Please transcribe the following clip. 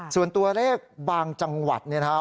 ส่วนตัวเลขบางจังหวัดเนี่ยนะครับ